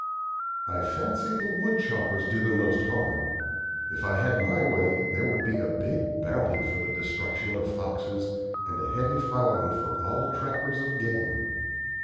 "I fancy the wood choppers do the most harm. If I had my way, there would be a big bounty for the destruction of foxes, and a heavy fine for all trappers of game.